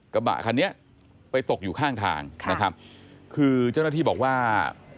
กระบะคันนี้ไปตกอยู่ข้างทางนะครับคือเจ้าหน้าที่บอกว่า